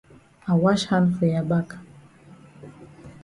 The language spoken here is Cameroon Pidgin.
I wash hand for ya back.